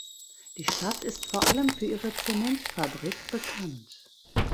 Die Stadt ist vor allem für ihre Zementfabrik bekannt.